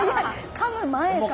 かむ前から。